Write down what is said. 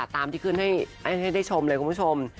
ตามที่ขึ้นให้ได้ชมเลยคุณผู้ชม